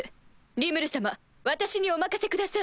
リムル様私にお任せください。